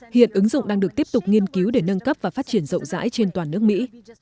hiện ứng dụng đang được tiếp tục nghiên cứu để nâng cấp và phát triển rộng rãi trên toàn nước mỹ